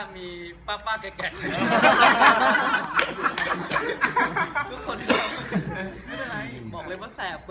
ผมมีลูกแล้ว